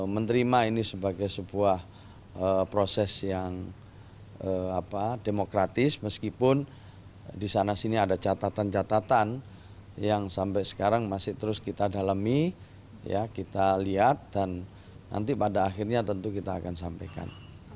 menerima ini sebagai sebuah proses yang demokratis meskipun di sana sini ada catatan catatan yang sampai sekarang masih terus kita dalami kita lihat dan nanti pada akhirnya tentu kita akan sampaikan